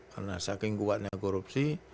karena saking kuatnya korupsi